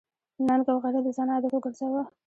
ننګ او غیرت د ځان عادت وګرځوه.